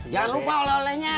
jangan lupa oleh olehnya